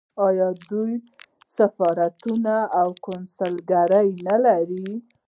آیا دوی سفارتونه او کونسلګرۍ نلري؟